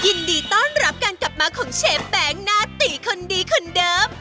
ยินดีต้อนรับการกลับมาของเชฟแบงค์หน้าตีคนดีคนเดิม